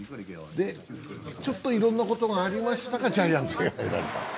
ちょっといろんなことがありましたが、ジャイアンツに入られた。